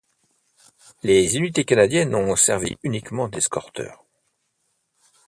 Les unités canadiennes ont servi uniquement d'escorteurs.